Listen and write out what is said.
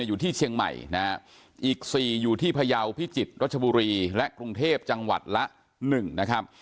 อยู่ที่เชียงใหม่นะฮะอีก๔อยู่ที่พยาวพิจิตรรัชบุรีและกรุงเทพจังหวัดละ๑นะครับ